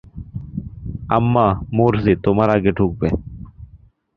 আম্মা, মার্জি, তোমরা আগে ঢুকবে।